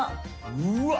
うわっ！